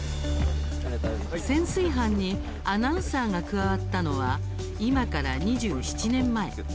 潜水班にアナウンサーが加わったのは今から２７年前。